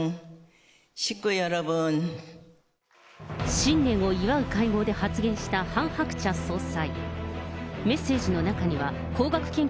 新年を祝う会合で発言したハン・ハクチャ総裁。